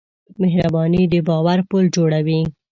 مهرباني د باور پُل جوړوي.